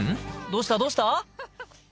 どうした、どうした？